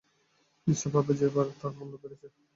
নিশ্চয়ই ভাববে যে, এবার তার মূল্য বেড়েছে।